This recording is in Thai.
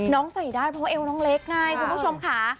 น้องใส่ได้เพราะเอียวน้องเล็กไงคุณผู้ชมค่ะ